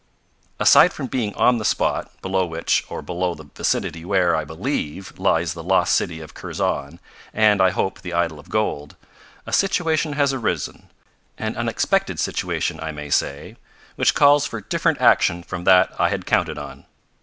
"Aside from being on the spot, below which, or below the vicinity where, I believe, lies the lost city of Kurzon and, I hope, the idol of gold, a situation has arisen an unexpected situation, I may say which calls for different action from that I had counted on.